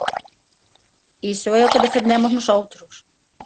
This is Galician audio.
Iso é o que defendemos nosoutros.